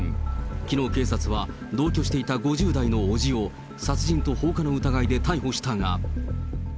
きのう警察は、同居していた５０代の伯父を殺人と放火の疑いで逮捕したが。